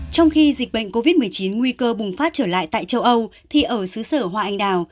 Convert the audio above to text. trong khi dịch bệnh covid một mươi chín nguy cơ bùng phát trở lại tại châu âu thì ở xứ sở hoa anh đào